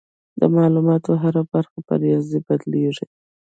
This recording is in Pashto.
د معلوماتو هره برخه په ریاضي بدلېږي.